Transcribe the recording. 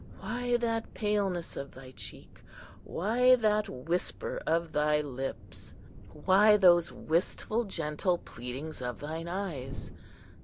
—why that paleness of thy cheek?—why that whisper of thy lips?—why those wistful, gentle pleadings of thine eyes?